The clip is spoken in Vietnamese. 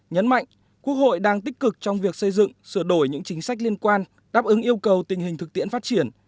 nhấn mạnh quốc hội đang tích cực trong việc xây dựng sửa đổi những chính sách liên quan đáp ứng yêu cầu tình hình thực tiễn phát triển